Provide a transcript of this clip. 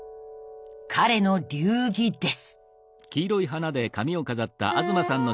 彼の流儀です。